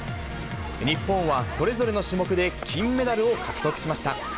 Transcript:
日本はそれぞれの種目で金メダルを獲得しました。